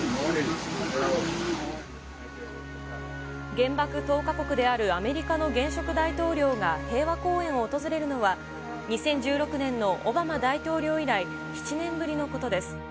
原爆投下国であるアメリカの現職大統領が、平和公園を訪れるのは、２０１６年のオバマ大統領以来、７年ぶりのことです。